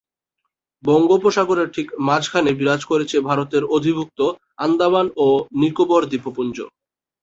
বঙ্গোপসাগরের ঠিক মাঝখানে বিরাজ করছে ভারতের অধিভুক্ত আন্দামান ও নিকোবর দ্বীপপুঞ্জ।